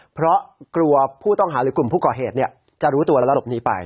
เพราะกลัวผู้ต้องหาหรือกลุ่มผู้ก่อเหตุเนี่ยจะรู้ตัวระดบนี้ไป